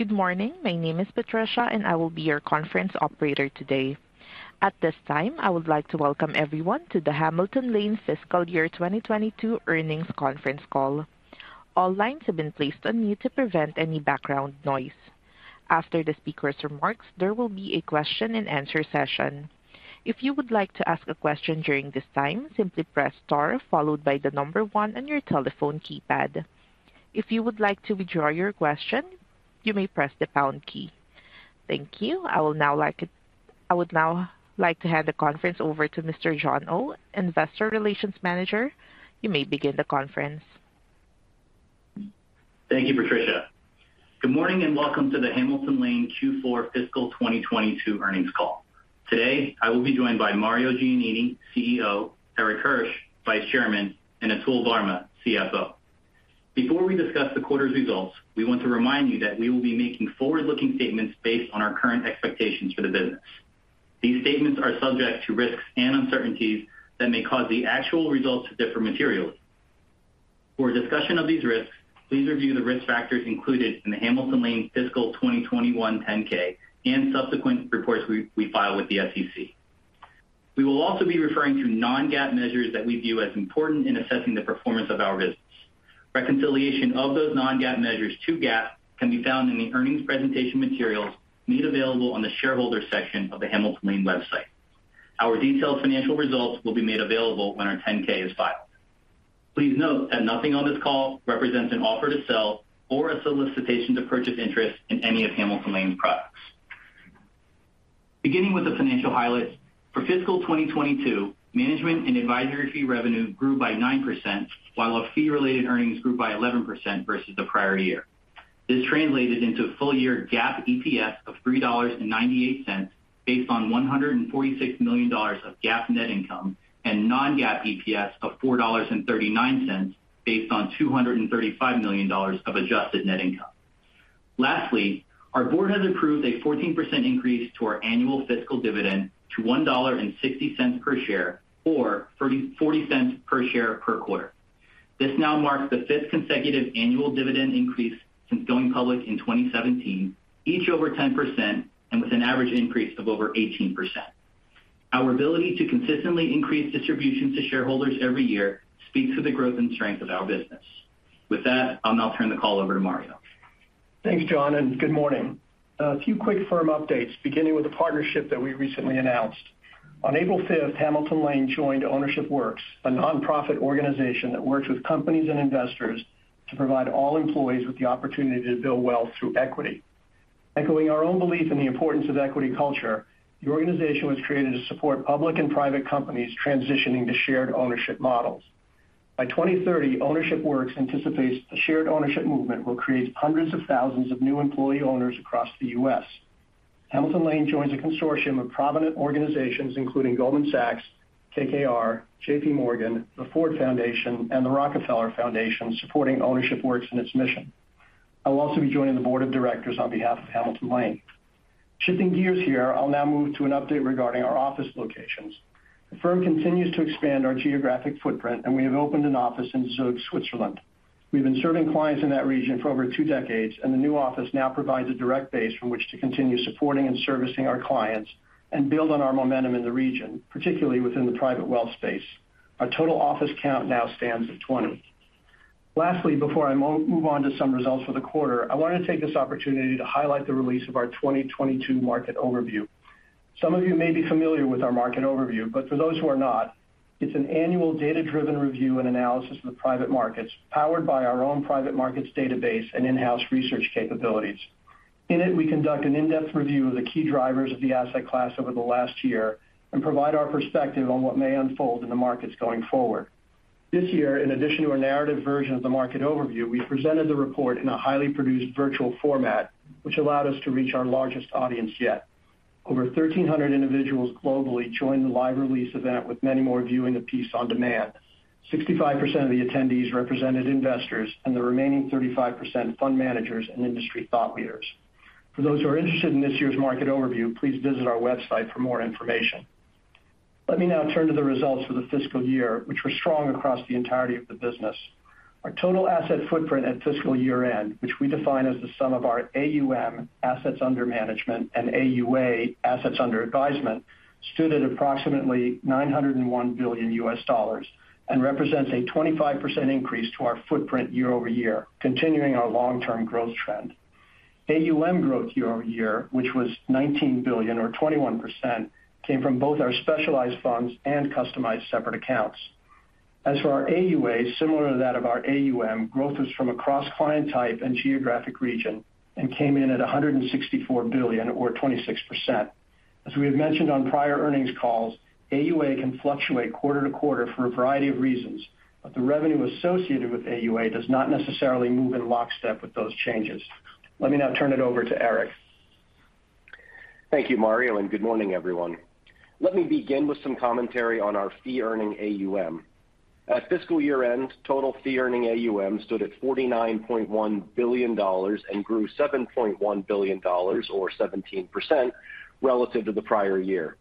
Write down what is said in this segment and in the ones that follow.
Good morning. My name is Patricia, and I will be your conference operator today. At this time, I would like to welcome everyone to the Hamilton Lane Fiscal Year 2022 Earnings Conference Call. All lines have been placed on mute to prevent any background noise. After the speaker's remarks, there will be a question-and-answer session. If you would like to ask a question during this time, simply press star followed by the number one on your telephone keypad. If you would like to withdraw your question, you may press the pound key. Thank you. I would now like to hand the conference over to Mr. John Oh, Investor Relations Manager. You may begin the conference. Thank you, Patricia. Good morning, and welcome to the Hamilton Lane Q4 Fiscal 2022 Earnings Call. Today, I will be joined by Mario Giannini, CEO, Erik Hirsch, Vice Chairman, and Atul Varma, CFO. Before we discuss the quarter's results, we want to remind you that we will be making forward-looking statements based on our current expectations for the business. These statements are subject to risks and uncertainties that may cause the actual results to differ materially. For a discussion of these risks, please review the risk factors included in the Hamilton Lane Fiscal 2021 10-K and subsequent reports we file with the SEC. We will also be referring to non-GAAP measures that we view as important in assessing the performance of our business. Reconciliation of those non-GAAP measures to GAAP can be found in the earnings presentation materials made available on the shareholder section of the Hamilton Lane website. Our detailed financial results will be made available when our 10-K is filed. Please note that nothing on this call represents an offer to sell or a solicitation to purchase interest in any of Hamilton Lane's products. Beginning with the financial highlights, for fiscal 2022, management and advisory fee revenue grew by 9%, while our fee-related earnings grew by 11% versus the prior year. This translated into full-year GAAP EPS of $3.98 based on $146 million of GAAP net income and non-GAAP EPS of $4.39 based on $235 million of Adjusted net income. Lastly, our board has approved a 14% increase to our annual fiscal dividend to $1.60 per share or $0.40 per share per quarter. This now marks the fifth consecutive annual dividend increase since going public in 2017, each over 10% and with an average increase of over 18%. Our ability to consistently increase distributions to shareholders every year speaks to the growth and strength of our business. With that, I'll now turn the call over to Mario. Thanks, John, and good morning. A few quick firm updates, beginning with a partnership that we recently announced. On April 5th, Hamilton Lane joined Ownership Works, a nonprofit organization that works with companies and investors to provide all employees with the opportunity to build wealth through equity. Echoing our own belief in the importance of equity culture, the organization was created to support public and private companies transitioning to shared ownership models. By 2030, Ownership Works anticipates the shared ownership movement will create hundreds of thousands of new employee owners across the U.S. Hamilton Lane joins a consortium of prominent organizations including Goldman Sachs, KKR, JPMorgan, the Ford Foundation, and the Rockefeller Foundation supporting Ownership Works in its mission. I will also be joining the board of directors on behalf of Hamilton Lane. Shifting gears here, I'll now move to an update regarding our office locations. The firm continues to expand our geographic footprint, and we have opened an office in Zug, Switzerland. We've been serving clients in that region for over two decades, and the new office now provides a direct base from which to continue supporting and servicing our clients and build on our momentum in the region, particularly within the private wealth space. Our total office count now stands at 20. Lastly, before I move on to some results for the quarter, I wanted to take this opportunity to highlight the release of our 2022 market overview. Some of you may be familiar with our market overview, but for those who are not, it's an annual data-driven review and analysis of the private markets powered by our own private markets database and in-house research capabilities. In it, we conduct an in-depth review of the key drivers of the asset class over the last year and provide our perspective on what may unfold in the markets going forward. This year, in addition to our narrative version of the market overview, we presented the report in a highly produced virtual format, which allowed us to reach our largest audience yet. Over 1,300 individuals globally joined the live release event with many more viewing the piece on demand. 65% of the attendees represented investors and the remaining 35% fund managers and industry thought leaders. For those who are interested in this year's market overview, please visit our website for more information. Let me now turn to the results for the fiscal year, which were strong across the entirety of the business. Our total asset footprint at fiscal year-end, which we define as the sum of our AUM, assets under management, and AUA, assets under advisement, stood at approximately $901 billion and represents a 25% increase to our footprint YoY, continuing our long-term growth trend. AUM growth YoY, which was $19 billion or 21%, came from both our specialized funds and customized separate accounts. As for our AUA, similar to that of our AUM, growth was from across client type and geographic region and came in at $164 billion or 26%. As we have mentioned on prior earnings calls, AUA can fluctuate quarter to quarter for a variety of reasons, but the revenue associated with AUA does not necessarily move in lockstep with those changes. Let me now turn it over to Erik. Thank you, Mario, and good morning, everyone. Let me begin with some commentary on our Fee Earning AUM. At fiscal year-end, total Fee Earning AUM stood at $49.1 billion and grew $7.1 billion or 17% relative to the prior year.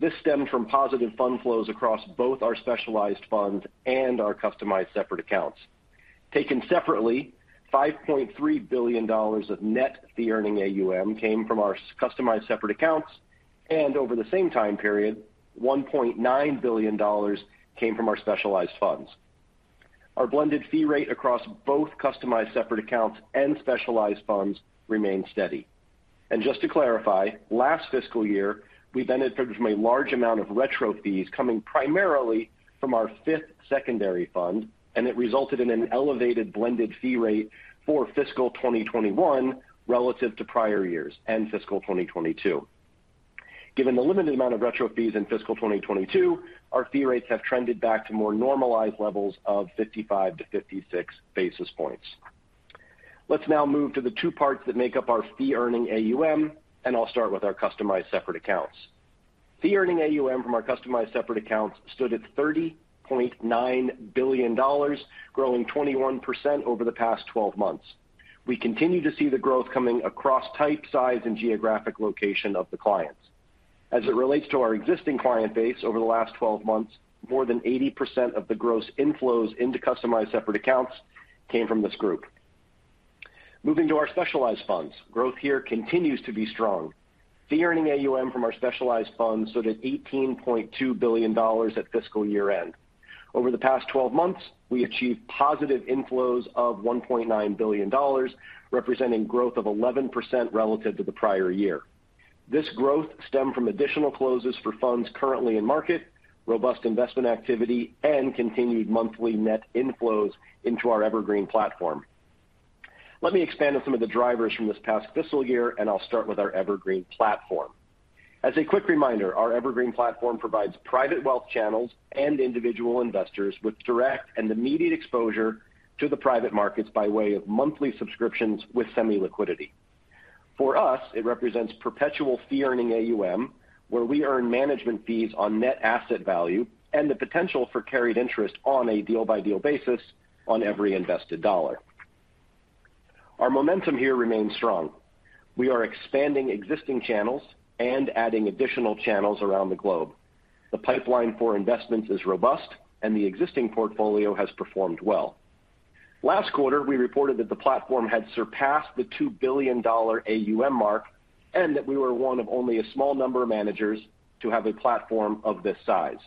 This stemmed from positive fund flows across both our specialized funds and our customized separate accounts. Taken separately, $5.3 billion of net fee-earning AUM came from our customized separate accounts, and over the same time period, $1.9 billion came from our specialized funds. Our blended fee rate across both customized separate accounts and specialized funds remained steady. Just to clarify, last fiscal year, we benefited from a large amount of retro fees coming primarily from our 5th secondary fund, and it resulted in an elevated blended fee rate for fiscal 2021 relative to prior years and fiscal 2022. Given the limited amount of retro fees in fiscal 2022, our fee rates have trended back to more normalized levels of 55-56 basis points. Let's now move to the two parts that make up our fee-earning AUM, and I'll start with our customized separate accounts. Fee Earning AUM from our customized separate accounts stood at $30.9 billion, growing 21% over the past 12 months. We continue to see the growth coming across type, size, and geographic location of the clients. As it relates to our existing client base over the last 12 months, more than 80% of the gross inflows into customized separate accounts came from this group. Moving to our specialized funds. Growth here continues to be strong. Fee Earning AUM from our specialized funds stood at $18.2 billion at fiscal year-end. Over the past 12 months, we achieved positive inflows of $1.9 billion, representing growth of 11% relative to the prior year. This growth stemmed from additional closes for funds currently in market, robust investment activity, and continued monthly net inflows into our Evergreen platform. Let me expand on some of the drivers from this past fiscal year, and I'll start with our Evergreen platform. As a quick reminder, our Evergreen platform provides private wealth channels and individual investors with direct and immediate exposure to the private markets by way of monthly subscriptions with semi-liquidity. For us, it represents perpetual fee-earning AUM, where we earn management fees on net asset value and the potential for carried interest on a deal-by-deal basis on every invested dollar. Our momentum here remains strong. We are expanding existing channels and adding additional channels around the globe. The pipeline for investments is robust, and the existing portfolio has performed well. Last quarter, we reported that the platform had surpassed the $2 billion AUM mark and that we were one of only a small number of managers to have a platform of this size.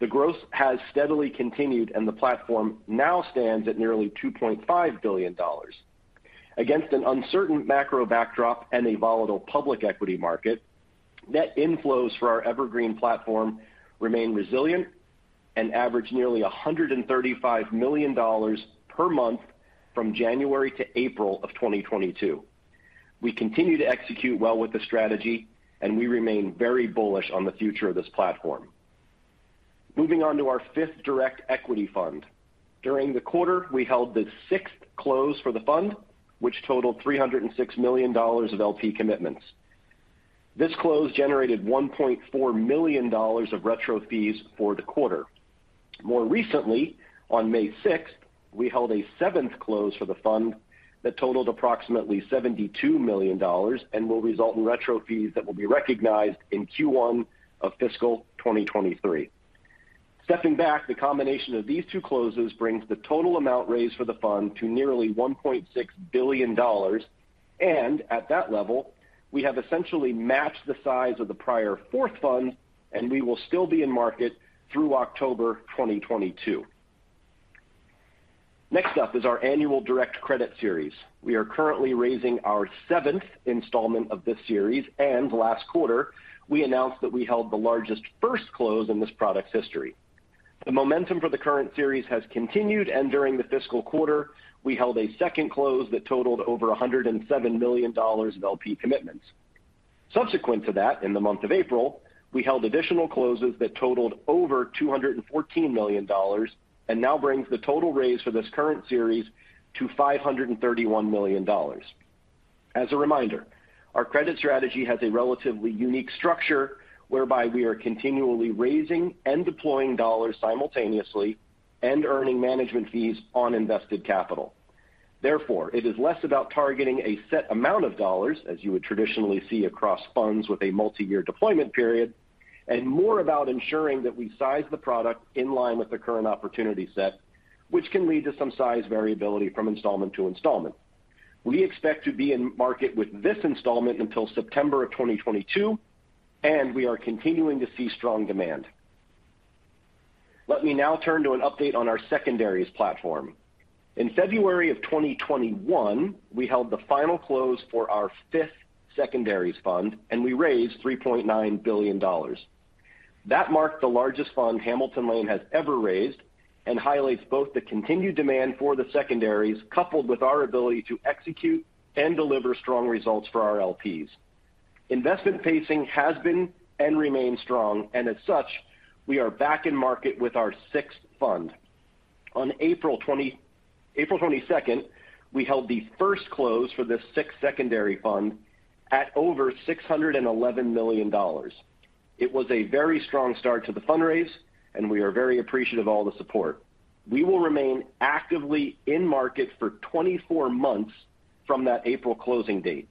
The growth has steadily continued, and the platform now stands at nearly $2.5 billion. Against an uncertain macro backdrop and a volatile public equity market, net inflows for our Evergreen platform remain resilient and average nearly $135 million per month from January to April of 2022. We continue to execute well with the strategy, and we remain very bullish on the future of this platform. Moving on to our fifth direct equity fund. During the quarter, we held the 6th close for the fund, which totaled $306 million of LP commitments. This close generated $1.4 million of retro fees for the quarter. More recently, on May 6th, we held a 7th close for the fund that totaled approximately $72 million and will result in retro fees that will be recognized in Q1 of fiscal 2023. Stepping back, the combination of these two closes brings the total amount raised for the fund to nearly $1.6 billion. At that level, we have essentially matched the size of the prior fourth fund, and we will still be in market through October 2022. Next up is our annual direct credit series. We are currently raising our 7th installment of this series, and last quarter, we announced that we held the largest first close in this product's history. The momentum for the current series has continued, and during the fiscal quarter, we held a second close that totaled over $107 million of LP commitments. Subsequent to that, in the month of April, we held additional closes that totaled over $214 million and now brings the total raise for this current series to $531 million. As a reminder, our credit strategy has a relatively unique structure whereby we are continually raising and deploying dollars simultaneously and earning management fees on invested capital. Therefore, it is less about targeting a set amount of dollars, as you would traditionally see across funds with a multi-year deployment period, and more about ensuring that we size the product in line with the current opportunity set, which can lead to some size variability from installment to installment. We expect to be in market with this installment until September of 2022, and we are continuing to see strong demand. Let me now turn to an update on our secondaries platform. In February 2021, we held the final close for our fifth secondaries fund, and we raised $3.9 billion. That marked the largest fund Hamilton Lane has ever raised and highlights both the continued demand for the secondaries, coupled with our ability to execute and deliver strong results for our LPs. Investment pacing has been and remains strong, and as such, we are back in market with our sixth fund. On April 22nd, we held the first close for this sixth secondary fund at over $611 million. It was a very strong start to the fundraise, and we are very appreciative of all the support. We will remain actively in market for 24 months from that April closing date.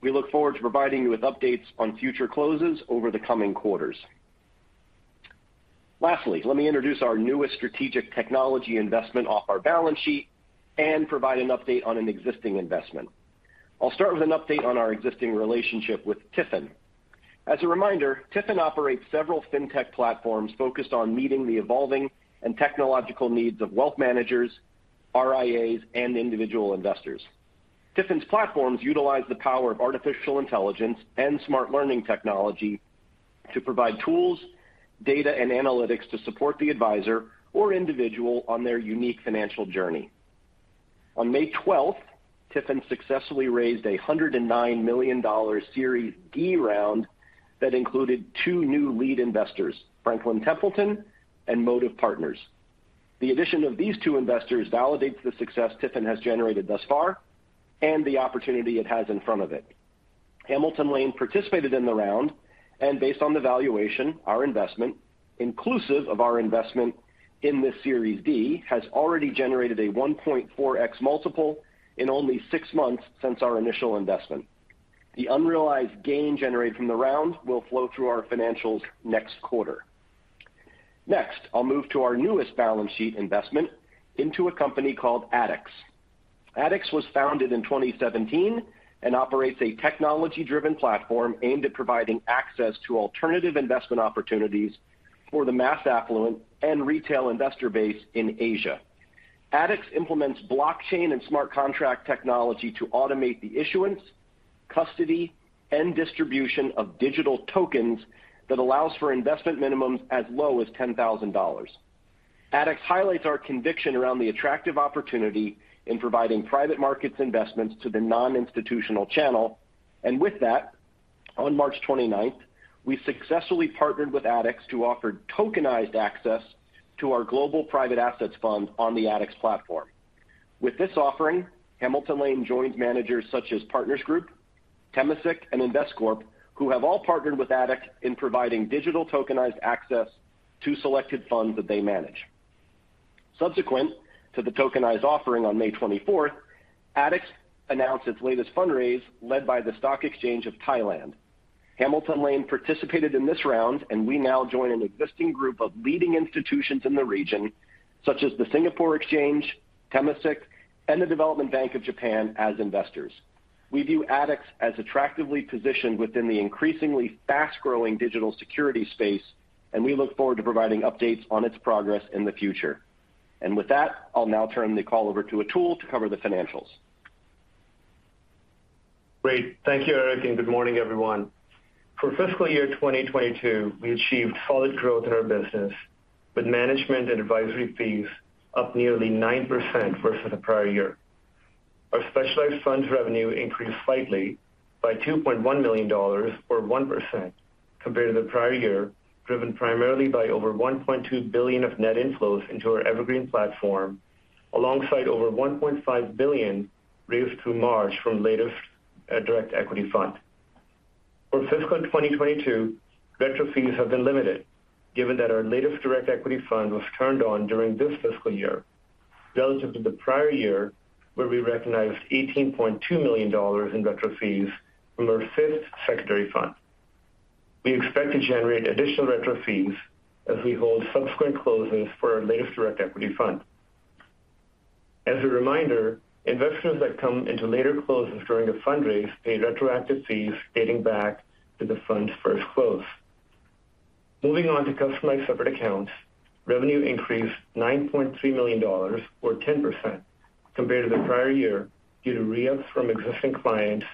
We look forward to providing you with updates on future closes over the coming quarters. Lastly, let me introduce our newest strategic technology investment off our balance sheet and provide an update on an existing investment. I'll start with an update on our existing relationship with TIFIN. As a reminder, TIFIN operates several fintech platforms focused on meeting the evolving and technological needs of wealth managers, RIAs, and individual investors. TIFIN's platforms utilize the power of artificial intelligence and smart learning technology to provide tools, data, and analytics to support the advisor or individual on their unique financial journey. On May 12th, TIFIN successfully raised $109 million Series D round that included two new lead investors, Franklin Templeton and Motive Partners. The addition of these two investors validates the success TIFIN has generated thus far and the opportunity it has in front of it. Hamilton Lane participated in the round, and based on the valuation, our investment, inclusive of our investment in this Series D, has already generated a 1.4x multiple in only six months since our initial investment. The unrealized gain generated from the round will flow through our financials next quarter. Next, I'll move to our newest balance sheet investment into a company called ADDX. ADDX was founded in 2017 and operates a technology-driven platform aimed at providing access to alternative investment opportunities for the mass affluent and retail investor base in Asia. ADDX implements blockchain and smart contract technology to automate the issuance, custody, and distribution of digital tokens that allows for investment minimums as low as $10,000. ADDX highlights our conviction around the attractive opportunity in providing private markets investments to the non-institutional channel. With that, on March 29th, we successfully partnered with ADDX to offer tokenized access to our Global Private Assets Fund on the ADDX platform. With this offering, Hamilton Lane joins managers such as Partners Group, Temasek, and Investcorp, who have all partnered with ADDX in providing digital tokenized access to selected funds that they manage. Subsequent to the tokenized offering on May 24th, ADDX announced its latest fundraise led by the Stock Exchange of Thailand. Hamilton Lane participated in this round, and we now join an existing group of leading institutions in the region such as the Singapore Exchange, Temasek, and the Development Bank of Japan as investors. We view ADDX as attractively positioned within the increasingly fast-growing digital security space, and we look forward to providing updates on its progress in the future. With that, I'll now turn the call over to Atul to cover the financials. Great. Thank you, Erik, and good morning, everyone. For fiscal year 2022, we achieved solid growth in our business with management and advisory fees up nearly 9% versus the prior year. Our specialized funds revenue increased slightly by $2.1 million or 1% compared to the prior year, driven primarily by over $1.2 billion of net inflows into our Evergreen platform, alongside over $1.5 billion raised through March from latest direct equity fund. For fiscal 2022, retro fees have been limited given that our latest direct equity fund was turned on during this fiscal year relative to the prior year where we recognized $18.2 million in retro fees from our fifth secondary fund. We expect to generate additional retro fees as we hold subsequent closes for our latest direct equity fund. As a reminder, investors that come into later closes during a fundraise pay retroactive fees dating back to the fund's first close. Moving on to customized separate accounts, revenue increased $9.3 million or 10% compared to the prior year due to re-ups from existing clients,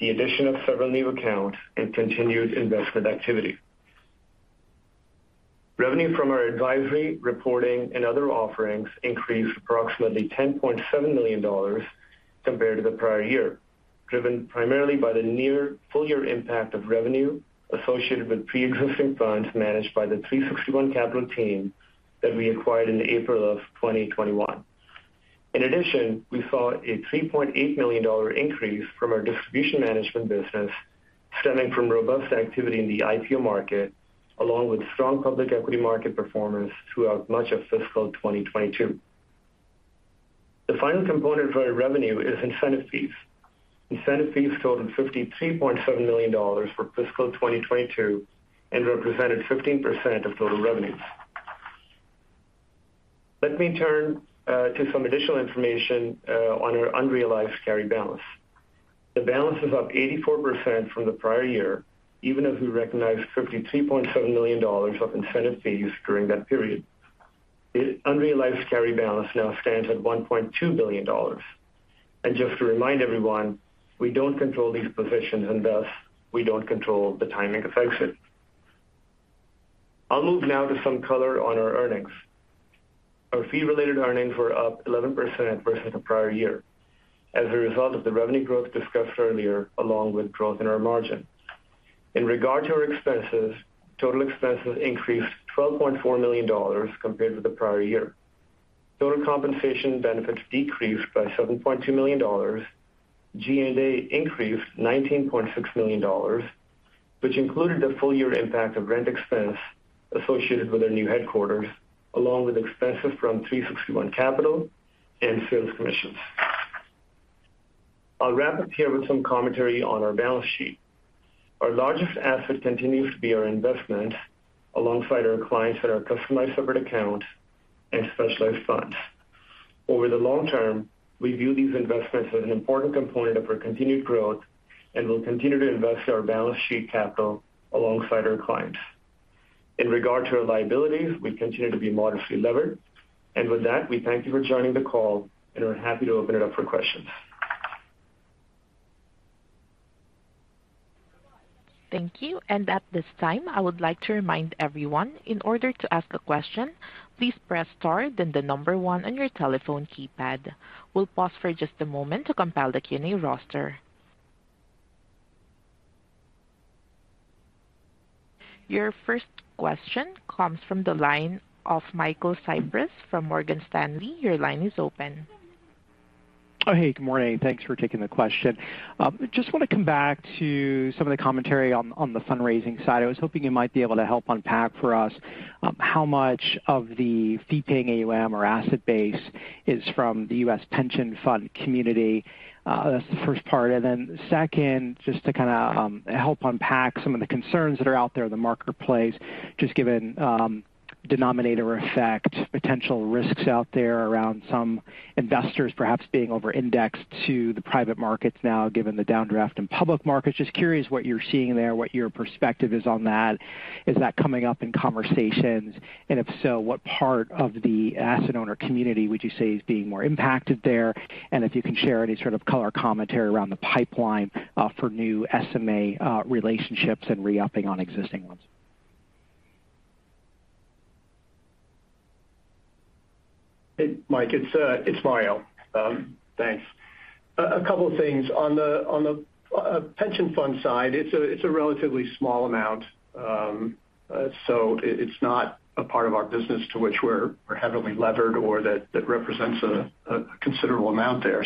the addition of several new accounts and continued investment activity. Revenue from our advisory reporting and other offerings increased approximately $10.7 million compared to the prior year, driven primarily by the near full year impact of revenue associated with pre-existing funds managed by the 361 Capital team that we acquired in April of 2021. In addition, we saw a $3.8 million dollar increase from our distribution management business stemming from robust activity in the IPO market, along with strong public equity market performance throughout much of fiscal 2022. The final component for our revenue is incentive fees. Incentive fees totaled $53.7 million for fiscal 2022 and represented 15% of total revenues. Let me turn to some additional information on our unrealized carry balance. The balance is up 84% from the prior year, even as we recognized $53.7 million of incentive fees during that period. The unrealized carry balance now stands at $1.2 billion. Just to remind everyone, we don't control these positions and thus we don't control the timing of exits. I'll move now to some color on our earnings. Our fee-related earnings were up 11% versus the prior year as a result of the revenue growth discussed earlier, along with growth in our margin. In regard to our expenses, total expenses increased $12.4 million compared with the prior year. Total compensation benefits decreased by $7.2 million. G&A increased $19.6 million, which included the full year impact of rent expense associated with our new headquarters, along with expenses from 361 Capital and sales commissions. I'll wrap up here with some commentary on our balance sheet. Our largest asset continues to be our investment alongside our clients that are customized separate accounts and specialized funds. Over the long term, we view these investments as an important component of our continued growth, and we'll continue to invest our balance sheet capital alongside our clients. In regard to our liabilities, we continue to be modestly levered. With that, we thank you for joining the call, and we're happy to open it up for questions. Thank you. At this time, I would like to remind everyone, in order to ask a question, please press star, then the number one on your telephone keypad. We'll pause for just a moment to compile the Q&A roster. Your first question comes from the line of Michael Cyprys from Morgan Stanley. Your line is open. Oh, hey, good morning. Thanks for taking the question. Just wanna come back to some of the commentary on the fundraising side. I was hoping you might be able to help unpack for us how much of the fee paying AUM or asset base is from the U.S. pension fund community. That's the first part. Second, just to kinda help unpack some of the concerns that are out there in the marketplace, just given denominator effect, potential risks out there around some investors perhaps being over-indexed to the private markets now given the downdraft in public markets. Just curious what you're seeing there, what your perspective is on that. Is that coming up in conversations? If so, what part of the asset owner community would you say is being more impacted there? If you can share any sort of color commentary around the pipeline for new SMA relationships and re-upping on existing ones. Hey, Mike, it's Mario. Thanks. A couple of things. On the pension fund side, it's a relatively small amount. It's not a part of our business to which we're heavily levered or that represents a considerable amount there.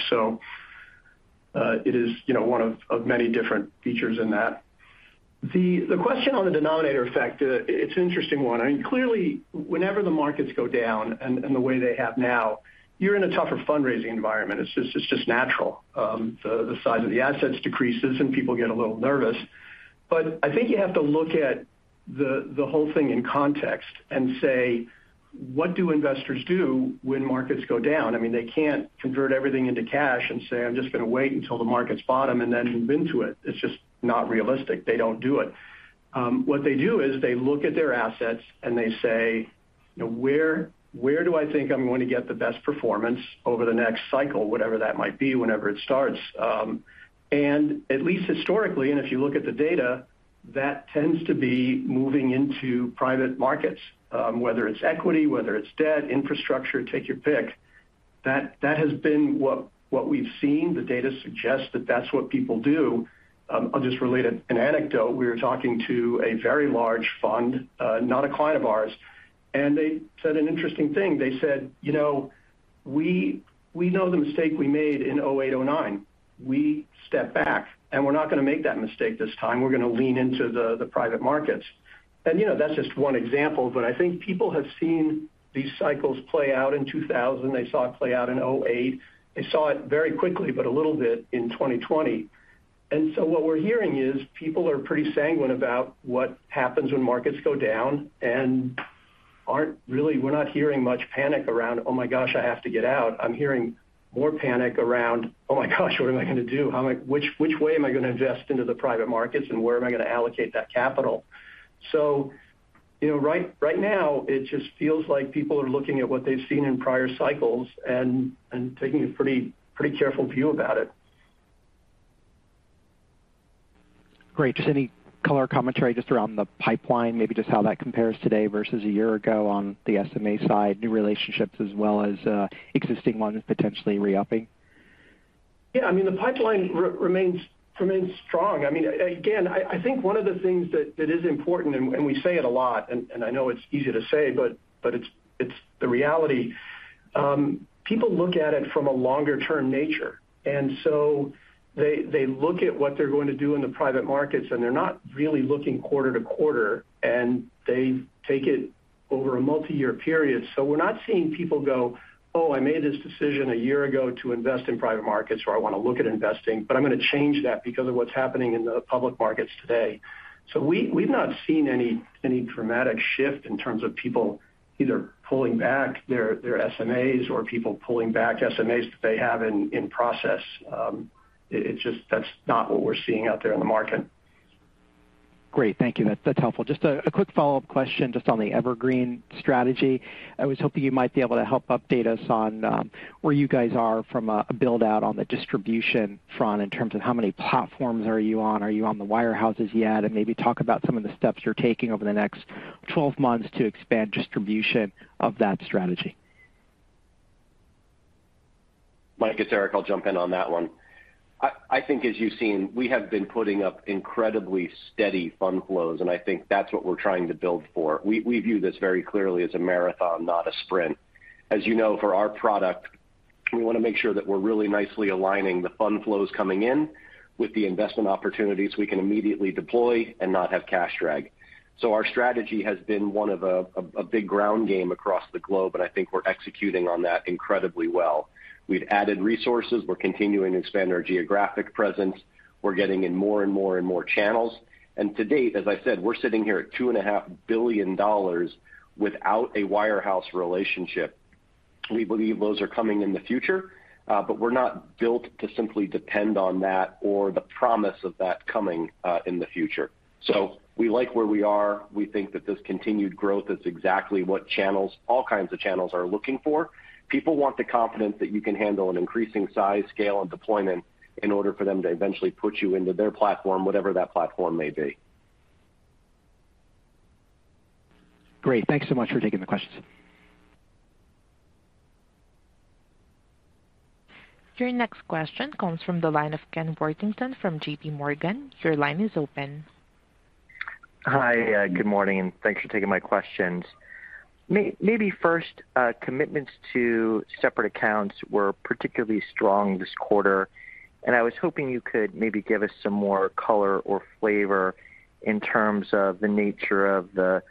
It is, you know, one of many different features in that. The question on the denominator effect, it's an interesting one. I mean, clearly, whenever the markets go down and the way they have now, you're in a tougher fundraising environment. It's just natural. The size of the assets decreases, and people get a little nervous. I think you have to look at the whole thing in context and say, "What do investors do when markets go down?" I mean, they can't convert everything into cash and say, "I'm just gonna wait until the markets bottom," and then move into it. It's just not realistic. They don't do it. What they do is they look at their assets, and they say, "Where do I think I'm going to get the best performance over the next cycle, whatever that might be, whenever it starts?" At least historically, and if you look at the data, that tends to be moving into private markets, whether it's equity, whether it's debt, infrastructure, take your pick. That has been what we've seen. The data suggests that that's what people do. I'll just relate an anecdote. We were talking to a very large fund, not a client of ours, and they said an interesting thing. They said, "You know, we know the mistake we made in 2008, 2009. We stepped back, and we're not gonna make that mistake this time. We're gonna lean into the private markets." You know, that's just one example, but I think people have seen these cycles play out in 2000. They saw it play out in 2008. They saw it very quickly but a little bit in 2020. What we're hearing is people are pretty sanguine about what happens when markets go down and aren't really. We're not hearing much panic around, "Oh my gosh, I have to get out." I'm hearing more panic around, "Oh my gosh, what am I gonna do? Which way am I gonna invest into the private markets, and where am I gonna allocate that capital? You know, right now it just feels like people are looking at what they've seen in prior cycles and taking a pretty careful view about it. Great. Just any color commentary just around the pipeline, maybe just how that compares today versus a year ago on the SMA side, new relationships as well as existing ones potentially re-upping? Yeah. I mean, the pipeline remains strong. I mean, again, I think one of the things that is important, and we say it a lot, and I know it's easy to say, but it's the reality. People look at it from a longer-term nature. They look at what they're going to do in the private markets, and they're not really looking quarter to quarter, and they take it over a multiyear period. We're not seeing people go, "Oh, I made this decision a year ago to invest in private markets, or I wanna look at investing, but I'm gonna change that because of what's happening in the public markets today." We've not seen any dramatic shift in terms of people either pulling back their SMAs or people pulling back SMAs that they have in process. It's just, that's not what we're seeing out there in the market. Great. Thank you. That's helpful. Just a quick follow-up question just on the Evergreen strategy. I was hoping you might be able to help update us on where you guys are from a build-out on the distribution front in terms of how many platforms are you on, are you on the wirehouses yet, and maybe talk about some of the steps you're taking over the next 12 months to expand distribution of that strategy. Mike, it's Erik. I'll jump in on that one. I think as you've seen, we have been putting up incredibly steady fund flows, and I think that's what we're trying to build for. We view this very clearly as a marathon, not a sprint. As you know, for our product. We want to make sure that we're really nicely aligning the fund flows coming in with the investment opportunities we can immediately deploy and not have cash drag. Our strategy has been one of a big ground game across the globe, and I think we're executing on that incredibly well. We've added resources. We're continuing to expand our geographic presence. We're getting in more and more and more channels. To date, as I said, we're sitting here at $2.5 billion without a wirehouse relationship. We believe those are coming in the future, but we're not built to simply depend on that or the promise of that coming, in the future. We like where we are. We think that this continued growth is exactly what channels, all kinds of channels are looking for. People want the confidence that you can handle an increasing size, scale, and deployment in order for them to eventually put you into their platform, whatever that platform may be. Great. Thanks so much for taking the questions. Your next question comes from the line of Ken Worthington from J.P. Morgan. Your line is open. Hi. Good morning, and thanks for taking my questions. Maybe first, commitments to separate accounts were particularly strong this quarter, and I was hoping you could maybe give us some more color or flavor in terms of the nature of the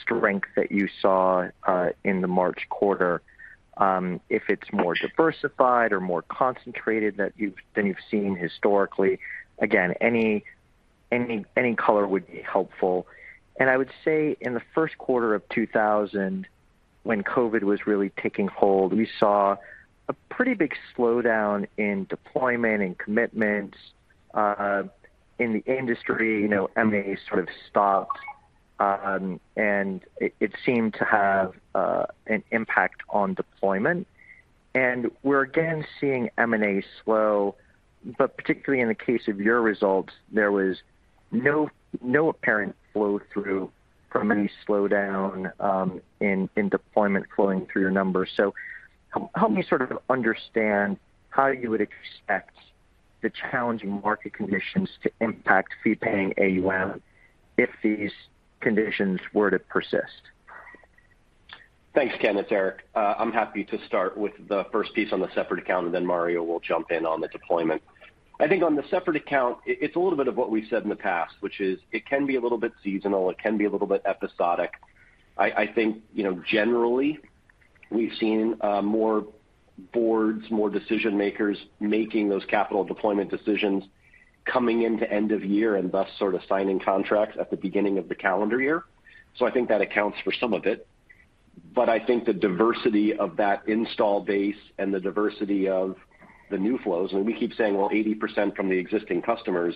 strength that you saw in the March quarter, if it's more diversified or more concentrated than you've seen historically. Again, any color would be helpful. I would say in the first quarter of 2020, when COVID was really taking hold, we saw a pretty big slowdown in deployment and commitments in the industry. You know, M&A sort of stopped, and it seemed to have an impact on deployment. We're again seeing M&A slow, but particularly in the case of your results, there was no apparent flow-through from any slowdown in deployment flowing through your numbers. Help me sort of understand how you would expect the challenging market conditions to impact fee-paying AUM if these conditions were to persist. Thanks, Ken. It's Erik. I'm happy to start with the first piece on the separate account, and then Mario will jump in on the deployment. I think on the separate account, it's a little bit of what we've said in the past, which is it can be a little bit seasonal, it can be a little bit episodic. I think, you know, generally, we've seen more boards, more decision-makers making those capital deployment decisions coming into end of year and thus sort of signing contracts at the beginning of the calendar year. I think that accounts for some of it. I think the diversity of that install base and the diversity of the new flows, and we keep saying, well, 80% from the existing customers.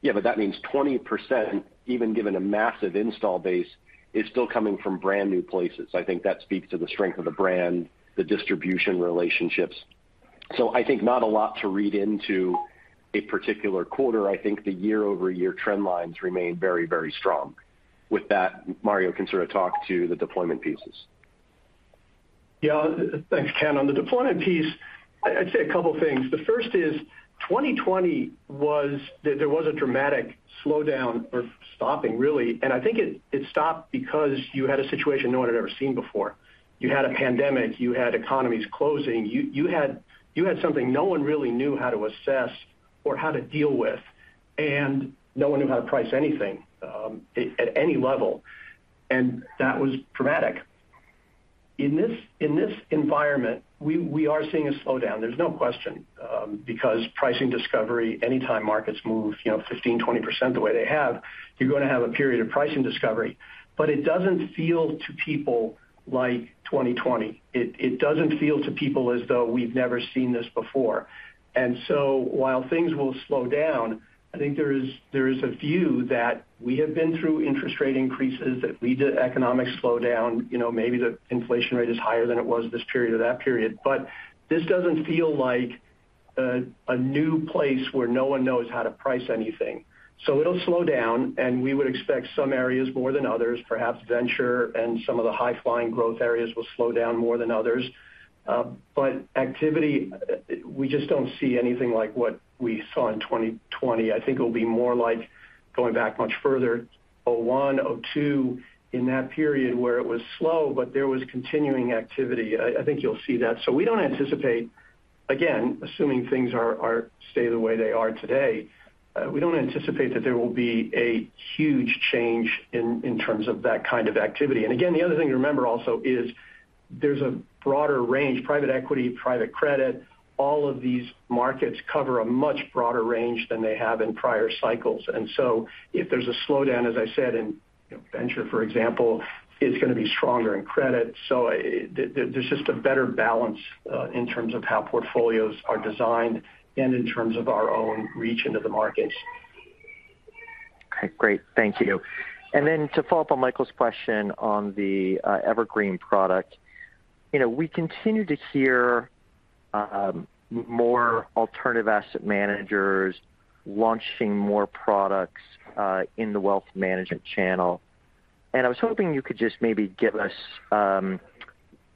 Yeah, but that means 20%, even given a massive install base, is still coming from brand-new places. I think that speaks to the strength of the brand, the distribution relationships. I think not a lot to read into a particular quarter. I think the YoY trend lines remain very, very strong. With that, Mario can sort of talk to the deployment pieces. Yeah. Thanks, Ken. On the deployment piece, I'd say a couple things. The first is 2020 was there was a dramatic slowdown or stopping, really. I think it stopped because you had a situation no one had ever seen before. You had a pandemic, you had economies closing. You had something no one really knew how to assess or how to deal with, and no one knew how to price anything at any level. That was dramatic. In this environment, we are seeing a slowdown, there's no question, because pricing discovery, anytime markets move, you know, 15%-20% the way they have, you're gonna have a period of pricing discovery. It doesn't feel to people like 2020. It doesn't feel to people as though we've never seen this before. While things will slow down, I think there is a view that we have been through interest rate increases that lead to economic slowdown. You know, maybe the inflation rate is higher than it was this period or that period. This doesn't feel like a new place where no one knows how to price anything. It'll slow down, and we would expect some areas more than others. Perhaps venture and some of the high-flying growth areas will slow down more than others. But activity, we just don't see anything like what we saw in 2020. I think it'll be more like going back much further, 2001, 2002, in that period where it was slow, but there was continuing activity. I think you'll see that. We don't anticipate, again, assuming things stay the way they are today, we don't anticipate that there will be a huge change in terms of that kind of activity. Again, the other thing to remember also is there's a broader range, private equity, private credit, all of these markets cover a much broader range than they have in prior cycles. If there's a slowdown, as I said, in venture, for example, it's gonna be stronger in credit. There's just a better balance in terms of how portfolios are designed and in terms of our own reach into the markets. Okay, great. Thank you. Then to follow up on Michael's question on the Evergreen product, you know, we continue to hear more alternative asset managers launching more products in the wealth management channel. I was hoping you could just maybe give us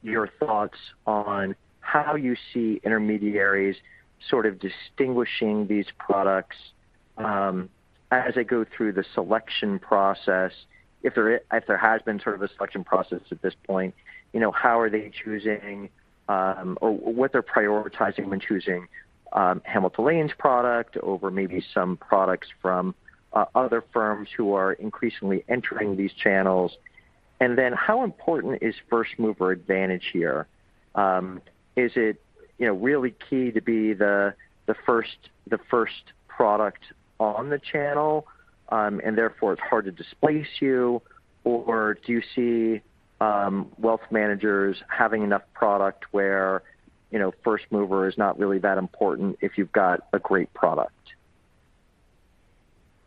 your thoughts on how you see intermediaries sort of distinguishing these products. As I go through the selection process, if there has been sort of a selection process at this point, you know, how are they choosing or what they're prioritizing when choosing Hamilton Lane's product over maybe some products from other firms who are increasingly entering these channels. Then how important is first mover advantage here? Is it, you know, really key to be the first product on the channel and therefore it's hard to displace you? Do you see, wealth managers having enough product where, you know, first mover is not really that important if you've got a great product?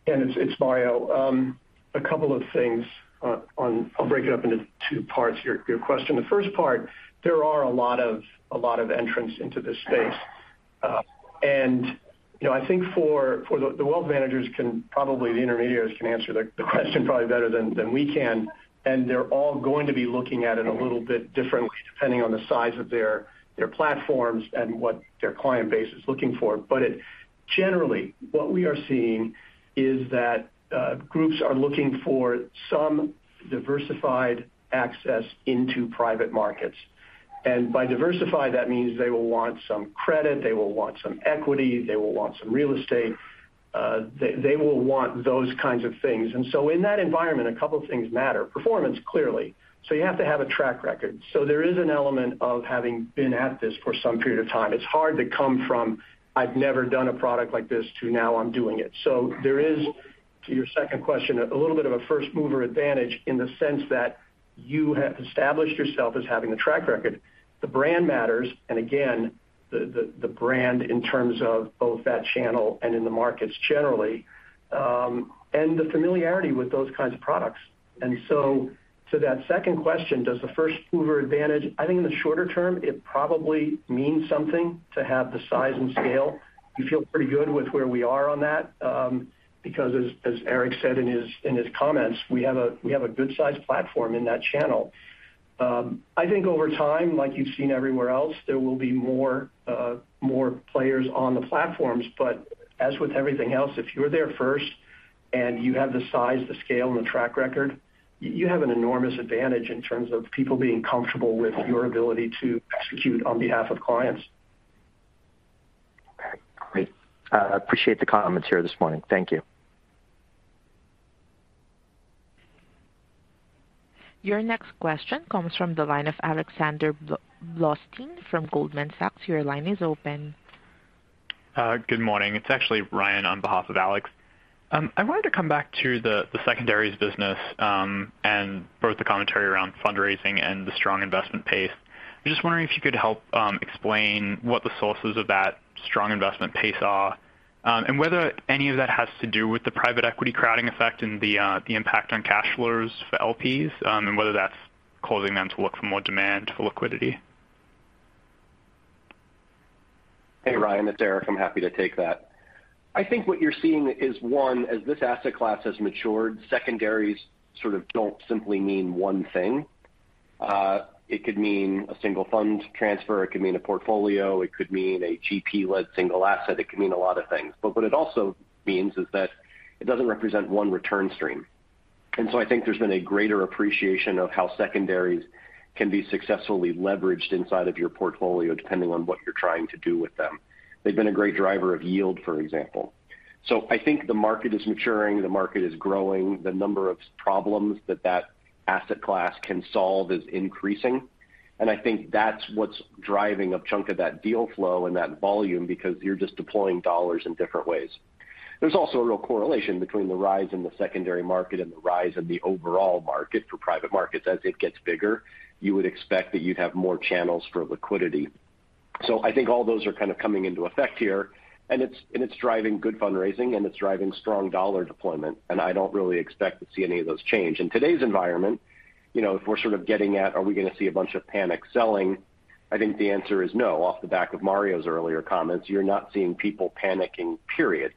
It's Mario. A couple of things on, I'll break it up into two parts, your question. The first part, there are a lot of entrants into this space. You know, I think for the wealth managers and probably the intermediaries can answer the question probably better than we can. They're all going to be looking at it a little bit differently depending on the size of their platforms and what their client base is looking for. But generally what we are seeing is that groups are looking for some diversified access into private markets. By diversified, that means they will want some credit, they will want some equity, they will want some real estate, they will want those kinds of things. In that environment, a couple things matter. Performance, clearly. You have to have a track record. There is an element of having been at this for some period of time. It's hard to come from, "I've never done a product like this," to, "Now I'm doing it." There is, to your second question, a little bit of a first mover advantage in the sense that you have established yourself as having a track record. The brand matters, and again, the brand in terms of both that channel and in the markets generally, and the familiarity with those kinds of products. To that second question, does the first mover advantage, I think in the shorter term, it probably means something to have the size and scale. We feel pretty good with where we are on that, because as Erik said in his comments, we have a good-sized platform in that channel. I think over time, like you've seen everywhere else, there will be more players on the platforms. As with everything else, if you're there first and you have the size, the scale and the track record, you have an enormous advantage in terms of people being comfortable with your ability to execute on behalf of clients. Okay, great. Appreciate the comments here this morning. Thank you. Your next question comes from the line of Alexander Blostein from Goldman Sachs. Your line is open. Good morning. It's actually Ryan on behalf of Alex. I wanted to come back to the secondaries business, and both the commentary around fundraising and the strong investment pace. I'm just wondering if you could help explain what the sources of that strong investment pace are, and whether any of that has to do with the private equity crowding effect and the impact on cash flows for LPs, and whether that's causing them to look for more demand for liquidity. Hey, Ryan, it's Erik. I'm happy to take that. I think what you're seeing is, one, as this asset class has matured, secondaries sort of don't simply mean one thing. It could mean a single fund transfer, it could mean a portfolio, it could mean a GP-led single asset. It could mean a lot of things. But what it also means is that it doesn't represent one return stream. And so I think there's been a greater appreciation of how secondaries can be successfully leveraged inside of your portfolio, depending on what you're trying to do with them. They've been a great driver of yield, for example. So I think the market is maturing, the market is growing. The number of problems that that asset class can solve is increasing. I think that's what's driving a chunk of that deal flow and that volume, because you're just deploying dollars in different ways. There's also a real correlation between the rise in the secondary market and the rise in the overall market for private markets. As it gets bigger, you would expect that you'd have more channels for liquidity. I think all those are kind of coming into effect here, and it's driving good fundraising, and it's driving strong dollar deployment, and I don't really expect to see any of those change. In today's environment, you know, if we're sort of getting at are we gonna see a bunch of panic selling, I think the answer is no. Off the back of Mario's earlier comments, you're not seeing people panicking, period.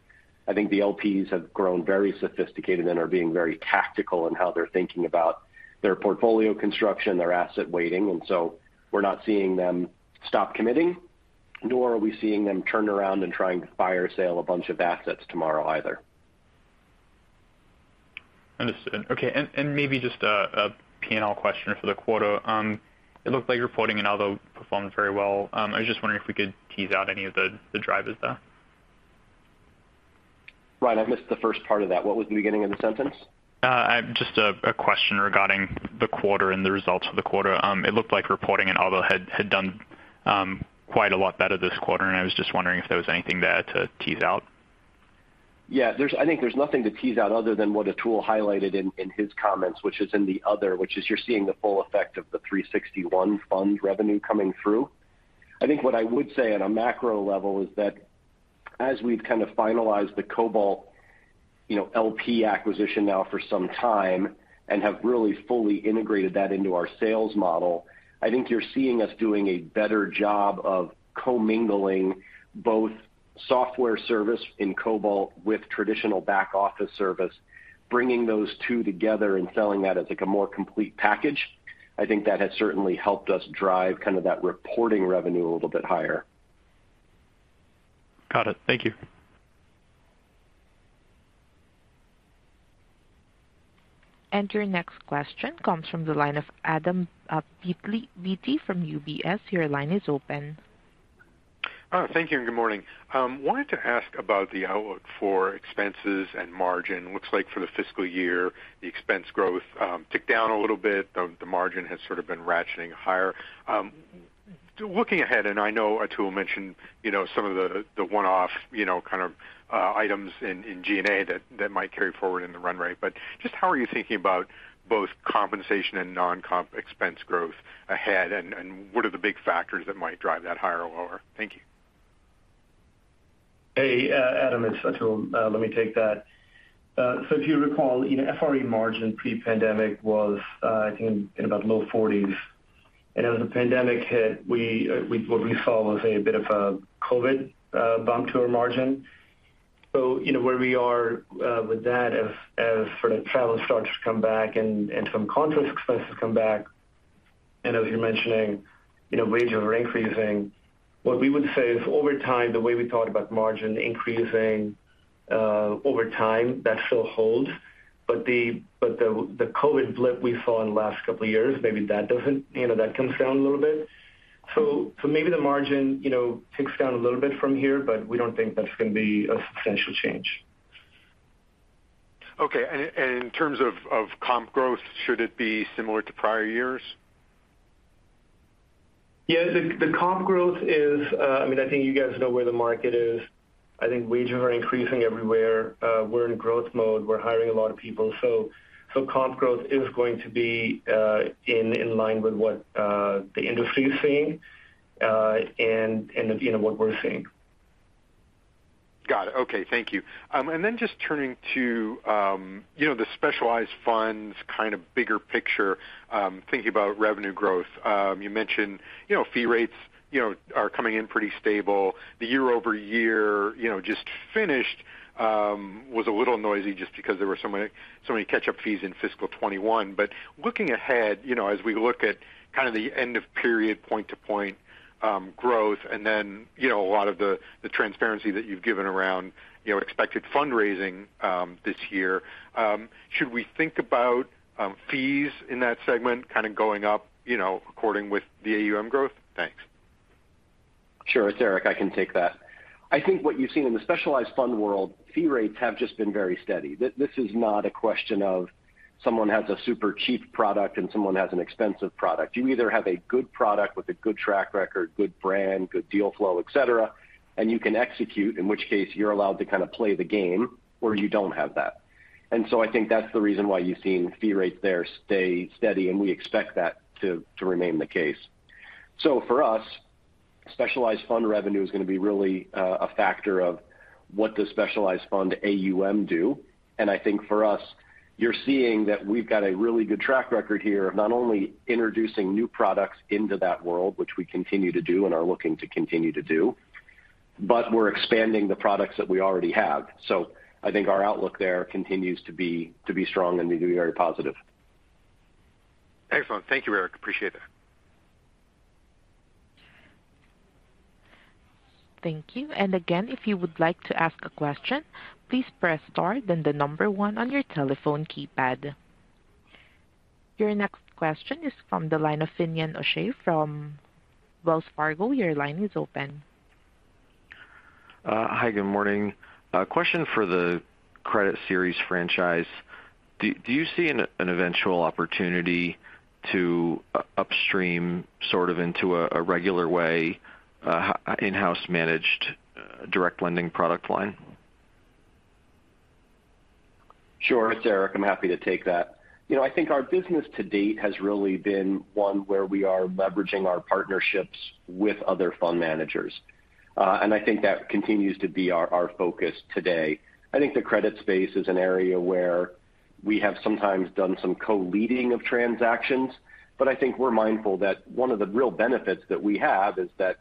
I think the LPs have grown very sophisticated and are being very tactical in how they're thinking about their portfolio construction, their asset weighting. We're not seeing them stop committing, nor are we seeing them turn around and try and fire sale a bunch of assets tomorrow either. Understood. Okay. Maybe just a P&L question for the quarter. It looked like reported in other performed very well. I was just wondering if we could tease out any of the drivers there. Ryan, I missed the first part of that. What was the beginning of the sentence? Just a question regarding the quarter and the results for the quarter. It looked like reporting in other had done quite a lot better this quarter, and I was just wondering if there was anything there to tease out? Yeah. I think there's nothing to tease out other than what Atul highlighted in his comments, which is you're seeing the full effect of the 361 Capital fund revenue coming through. I think what I would say on a macro level is that as we've kind of finalized the Cobalt, you know, LP acquisition now for some time and have really fully integrated that into our sales model, I think you're seeing us doing a better job of commingling both software service in Cobalt with traditional back-office service, bringing those two together and selling that as, like, a more complete package. I think that has certainly helped us drive kind of that reporting revenue a little bit higher. Got it. Thank you. Your next question comes from the line of Adam Beatty from UBS. Your line is open. Thank you and good morning. Wanted to ask about the outlook for expenses and margin. Looks like for the fiscal year, the expense growth ticked down a little bit. The margin has sort of been ratcheting higher. Looking ahead, and I know Atul mentioned, you know, some of the one-off, you know, kind of items in G&A that might carry forward in the run rate. Just how are you thinking about both compensation and non-comp expense growth ahead, and what are the big factors that might drive that higher or lower? Thank you. Hey, Adam. It's Atul. Let me take that. If you recall, you know, FRE margin pre-pandemic was, I think, in about low 40s%. As the pandemic hit, what we saw was a bit of COVID bump to our margin. You know, where we are with that as sort of travel starts to come back and some contract expenses come back. I know you're mentioning, you know, wages are increasing. What we would say is over time, the way we thought about margin increasing over time, that still holds. The COVID blip we saw in the last couple of years, maybe that doesn't, you know, that comes down a little bit. Maybe the margin, you know, ticks down a little bit from here, but we don't think that's gonna be a substantial change. Okay. In terms of comp growth, should it be similar to prior years? Yeah. The comp growth is. I mean, I think you guys know where the market is. I think wages are increasing everywhere. We're in growth mode. We're hiring a lot of people. Comp growth is going to be in line with what the industry is seeing, and you know, what we're seeing. Got it. Okay. Thank you. And then just turning to, you know, the specialized funds kind of bigger picture, thinking about revenue growth. You mentioned, you know, fee rates, you know, are coming in pretty stable. The YoY, you know, just finished, was a little noisy just because there were so many catch-up fees in fiscal 2021. Looking ahead, you know, as we look at kind of the end of period point to point growth, and then, you know, a lot of the transparency that you've given around, you know, expected fundraising this year, should we think about fees in that segment kind of going up, you know, according with the AUM growth? Thanks. Sure. It's Erik. I can take that. I think what you've seen in the specialized fund world, fee rates have just been very steady. This is not a question of someone has a super cheap product and someone has an expensive product. You either have a good product with a good track record, good brand, good deal flow, et cetera, and you can execute, in which case you're allowed to kind of play the game, or you don't have that. I think that's the reason why you've seen fee rates there stay steady, and we expect that to remain the case. For us, specialized fund revenue is gonna be really a factor of what does specialized fund AUM do. I think for us, you're seeing that we've got a really good track record here of not only introducing new products into that world, which we continue to do and are looking to continue to do, but we're expanding the products that we already have. I think our outlook there continues to be strong and very positive. Excellent. Thank you, Erik. Appreciate that. Thank you. Again, if you would like to ask a question, please press star then the number one on your telephone keypad. Your next question is from the line of Finian O'Shea from Wells Fargo. Your line is open. Hi, good morning. A question for the credit series franchise. Do you see an eventual opportunity to upstream sort of into a regular way, in-house managed, direct lending product line? Sure. It's Erik. I'm happy to take that. You know, I think our business to date has really been one where we are leveraging our partnerships with other fund managers. I think that continues to be our focus today. I think the credit space is an area where we have sometimes done some co-leading of transactions, but I think we're mindful that one of the real benefits that we have is that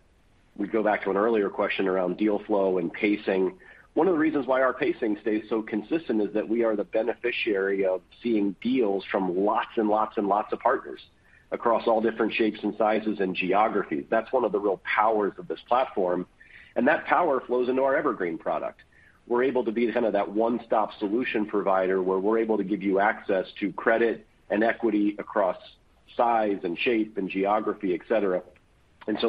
we go back to an earlier question around deal flow and pacing. One of the reasons why our pacing stays so consistent is that we are the beneficiary of seeing deals from lots and lots and lots of partners across all different shapes and sizes and geographies. That's one of the real powers of this platform, and that power flows into our Evergreen product. We're able to be kind of that one-stop solution provider where we're able to give you access to credit and equity across size and shape and geography, et cetera.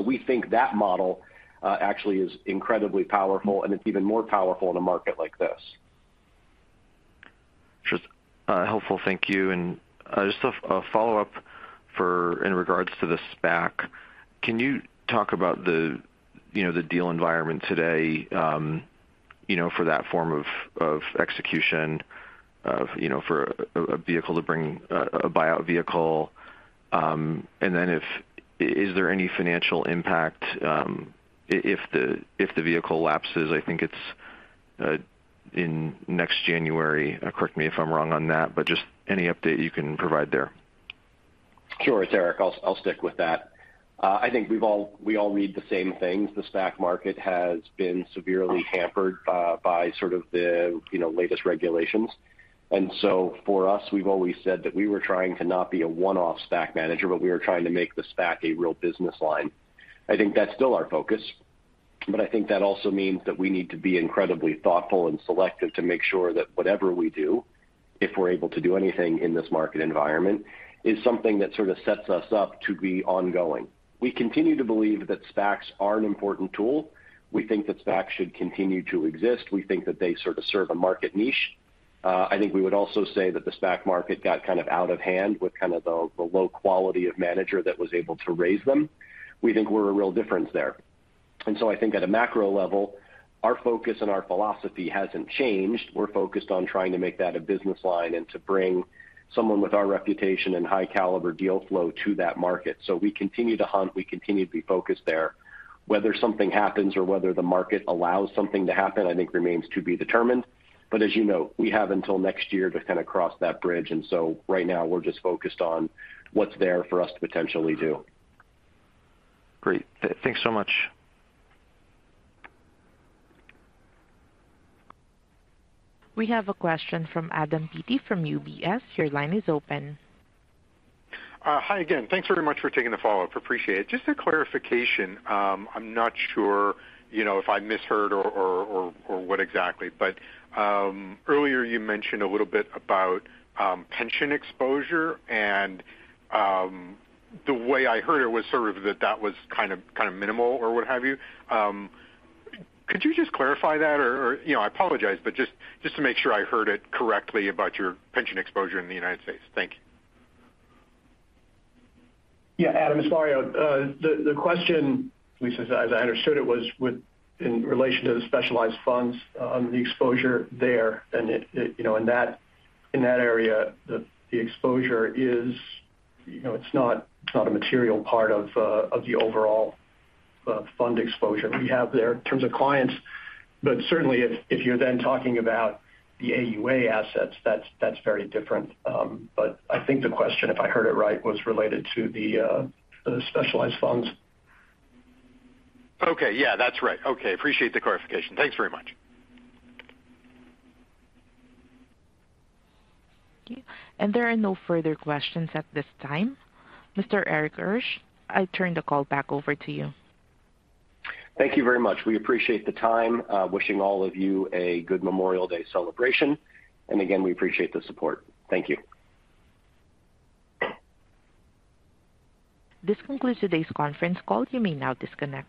We think that model actually is incredibly powerful, and it's even more powerful in a market like this. Sure. Helpful. Thank you. Just a follow-up in regards to the SPAC. Can you talk about the deal environment today, you know, for that form of execution, you know, for a vehicle to bring a buyout vehicle? Is there any financial impact if the vehicle lapses? I think it's in next January. Correct me if I'm wrong on that, but just any update you can provide there. Sure, it's Erik. I'll stick with that. I think we all read the same things. The SPAC market has been severely hampered by sort of the, you know, latest regulations. For us, we've always said that we were trying to not be a one-off SPAC manager, but we were trying to make the SPAC a real business line. I think that's still our focus, but I think that also means that we need to be incredibly thoughtful and selective to make sure that whatever we do, if we're able to do anything in this market environment, is something that sort of sets us up to be ongoing. We continue to believe that SPACs are an important tool. We think that SPACs should continue to exist. We think that they sort of serve a market niche. I think we would also say that the SPAC market got kind of out of hand with kind of the low quality of manager that was able to raise them. We think we're a real difference there. I think at a macro level, our focus and our philosophy hasn't changed. We're focused on trying to make that a business line and to bring someone with our reputation and high caliber deal flow to that market. We continue to hunt. We continue to be focused there. Whether something happens or whether the market allows something to happen, I think remains to be determined. As you know, we have until next year to kind of cross that bridge. Right now we're just focused on what's there for us to potentially do. Great. Thanks so much. We have a question from Adam Beatty from UBS. Your line is open. Hi again. Thanks very much for taking the follow-up. Appreciate it. Just a clarification. I'm not sure, you know, if I misheard or what exactly. Earlier you mentioned a little bit about pension exposure, and the way I heard it was sort of that was kind of minimal or what have you. Could you just clarify that or, you know, I apologize, but just to make sure I heard it correctly about your pension exposure in the United States. Thank you. Yeah. Adam, sorry. The question, at least as I understood it, was in relation to the specialized funds, the exposure there. It, you know, in that area, the exposure is, you know, it's not a material part of the overall fund exposure we have there in terms of clients. Certainly if you're then talking about the AUA assets, that's very different. I think the question, if I heard it right, was related to the specialized funds. Okay. Yeah, that's right. Okay. Appreciate the clarification. Thanks very much. There are no further questions at this time. Mr. Erik Hirsch, I turn the call back over to you. Thank you very much. We appreciate the time. Wishing all of you a good Memorial Day celebration. Again, we appreciate the support. Thank you. This concludes today's conference call. You may now disconnect.